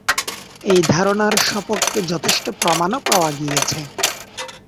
এই ধারণার সপক্ষে যথেষ্ট প্রমাণও পাওয়া গিয়েছে।